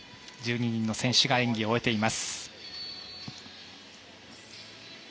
１２人の選手が演技を終えています。